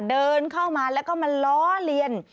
เดินเข้ามาแล้วก็มาล้อเลียน